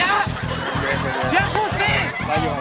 อย่าอย่าไปอย่าอย่าพูดสิ